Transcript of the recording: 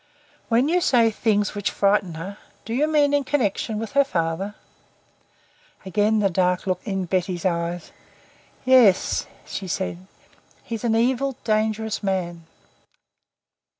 "When you say 'things which frightened her,' do you mean in connection with her father?" Again the dark look in Betty's eyes. "Yes," she said. "He's an evil, dangerous man."